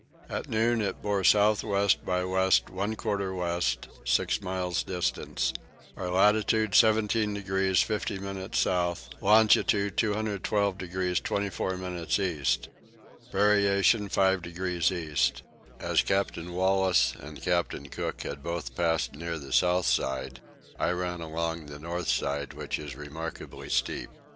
At noon it bore south west by west one quarter west, six miles distant. Our latitude 17 degrees 50 minutes south, longitude 212 degrees 24 minutes east. Variation five degrees east. As Captain Wallis and Captain Cook had both passed near the south side, I ran along the north side, which is remarkably steep.